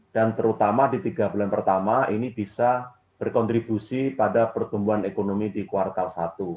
dan terutama di tiga bulan pertama ini bisa berkontribusi pada pertumbuhan ekonomi di kuartal satu